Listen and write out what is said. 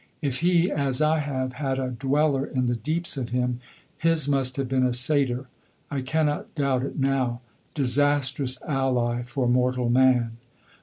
If he, as I have, had a dweller in the deeps of him, his must have been a satyr. I cannot doubt it now. Disastrous ally for mortal man!